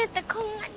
なに？